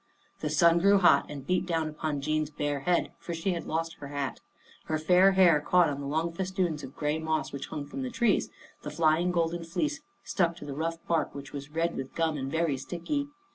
The sun grew hot and beat down upon Jean's bare head, for she had lost her hat. Her fair hair caught on the long festoons of gray moss which hung from the trees, the flying golden fleece stuck to the rough bark, which was red with gum and very sticky.